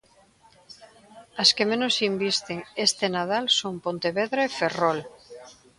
As que menos invisten este Nadal son Pontevedra e Ferrol.